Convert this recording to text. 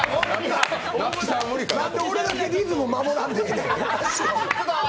何で俺だけリズム守らんでええねん。